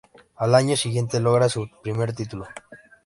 Al año siguiente logra su primer título.